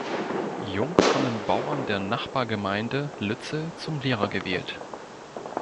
Jung von den Bauern der Nachbargemeinde Lützel zum Lehrer gewählt.